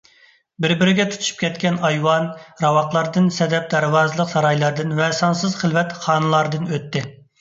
بىر - بىرىگە تۇتىشىپ كەتكەن ئايۋان، راۋاقلاردىن، سەدەب دەرۋازىلىق سارايلاردىن ۋە سانسىز خىلۋەت خانىلاردىن ئۆتتى.